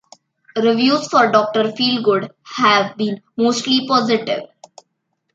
Reviews for "Doctor Feelgood" have been mostly positive.